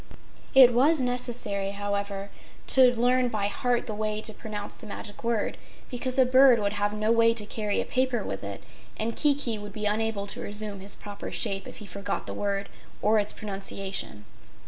It was necessary, however, to learn by heart the way to pronounce the magic word, because a bird would have no way to carry a paper with it, and Kiki would be unable to resume his proper shape if he forgot the word or its pronunciation.